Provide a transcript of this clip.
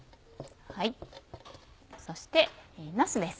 そしてなすです。